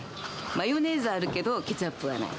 マヨネーズはあるけどケチャップはない。